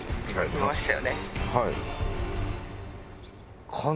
はい。